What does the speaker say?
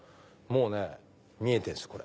もうね見えてる！